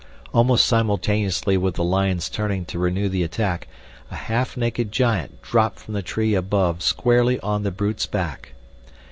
Almost simultaneously with the lion's turning to renew the attack a half naked giant dropped from the tree above squarely on the brute's back.